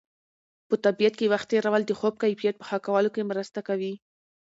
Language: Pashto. په طبیعت کې وخت تېرول د خوب کیفیت په ښه کولو کې مرسته کوي.